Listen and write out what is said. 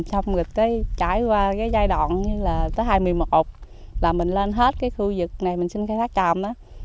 xong rồi trải qua cái giai đoạn như là tới hai mươi một là mình lên hết cái khu vực này mình xin khai thác tràm đó